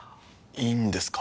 いいんですか？